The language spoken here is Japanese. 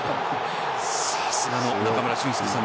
さすがの中村俊輔さん。